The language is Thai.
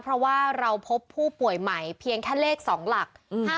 เพราะว่าเราพบผู้ป่วยใหม่เพียงแค่เลข๒หลัก